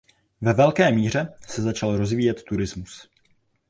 Ve velké míře se začal rozvíjet turismus.